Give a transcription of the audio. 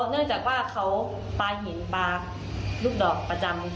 เนื่องจากว่าเขาปลาหินปลาลูกดอกประจำ